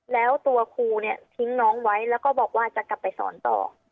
แล้วตัวครูเนี่ยทิ้งน้องไว้แล้วก็บอกว่าจะกลับไปสอนต่อ